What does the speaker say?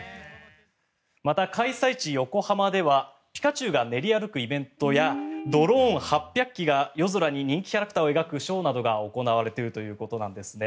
また、開催地・横浜ではピカチュウが練り歩くイベントやドローン８００機が夜空に人気キャラクターを描くショーなどが行われているということなんですね。